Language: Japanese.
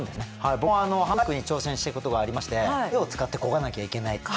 僕もハンドバイクに挑戦したことがありまして腕を使ってこがなきゃいけないという。